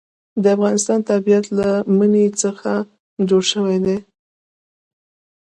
د افغانستان طبیعت له منی څخه جوړ شوی دی.